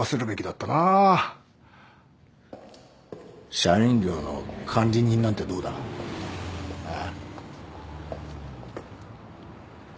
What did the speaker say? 社員寮の管理人なんてどうだ？ああ？